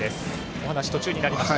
お話が途中になりました。